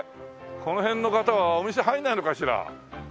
この辺の方はお店入んないのかしら？